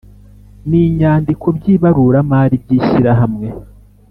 N inyandiko by ibaruramari by ishyirahamwe